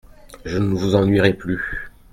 Je ne vous ennuierai plus.